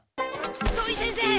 土井先生